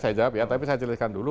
saya jawab ya tapi saya jelaskan dulu